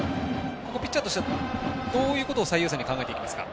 ピッチャーとしてどういうことを最優先に考えていきますか？